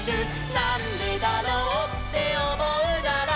「なんでだろうっておもうなら」